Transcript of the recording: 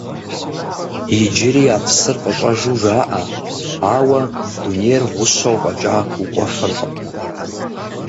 Иджыри а псыр къыщӀэжу жаӀэ, ауэ дунейр гъущэу фӀэкӀа укӀуэфыркъым.